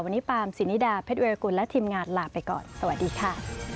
วันนี้ปามสินิดาเพชรวิรกุลและทีมงานลาไปก่อนสวัสดีค่ะ